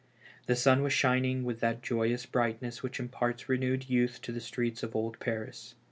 The sun was shining with that joyous brightness which imparts renewed youth to the streets of old Paris.